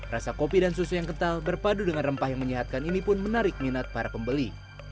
rasa kopi dan susu yang kental berpadu dengan rempah yang menyehatkan ini pun menarik minat para pembeli